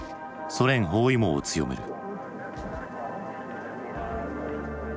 ソ連包囲網を強める。